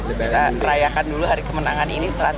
kita merayakan dulu hari kemenangan ini setelah tiga puluh hari